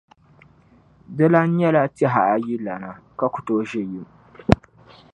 Dilana nyɛla tɛhaayilana ka ku tooi ʒe yim.